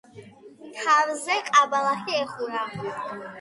თავზე ყაბალახი ეხურა.